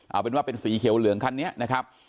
เอาเป็นว่าเป็นสีเขียวเหลืองคันนี้นะครับ